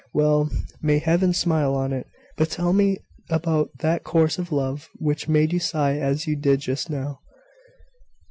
Well! may Heaven smile on it! But tell me about that course of love which made you sigh as you did just now."